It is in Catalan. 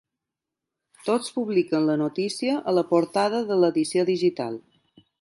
Tots publiquen la notícia a la portada de l’edició digital.